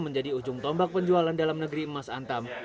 menjadi ujung tombak penjualan dalam negeri emas antam